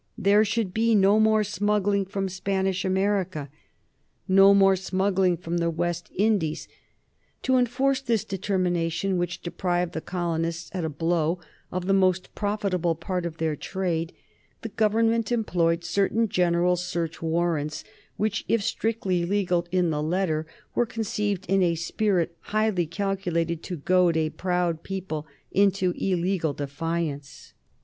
There should be no more smuggling from Spanish America, no more smuggling from the West Indies. To enforce this determination, which deprived the colonists at a blow of the most profitable part of their trade, the Government employed certain general search warrants, which, if strictly legal in the letter, were conceived in a spirit highly calculated to goad a proud people into illegal defiance.